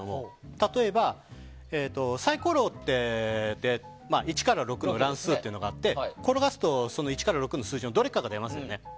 例えば、サイコロって１から６の乱数というのがあって転がすと１から６の数字のどれかが出ますよね。